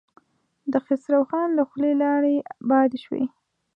د خسرو خان له خولې لاړې باد شوې.